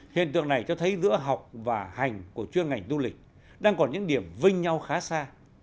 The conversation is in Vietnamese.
hiện tượng này cho thấy giữa học và hành của chuyên ngành du lịch đang còn những điểm vinh nhau khá xa